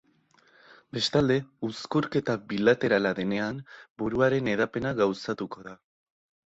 Bestalde, uzkurketa bilaterala denean, buruaren hedapena gauzatuko da.